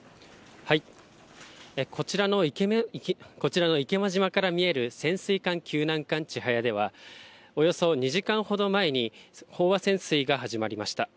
こちらの池間島から見える潜水艦救難艦ちはやでは、およそ２時間ほど前に、飽和潜水が始まりました。